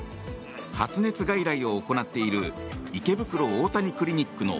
発熱外来を行っている池袋大谷クリニックの